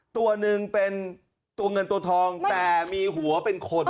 ตัวหนึ่งเป็นตัวเงินตัวทองแต่มีหัวเป็นคน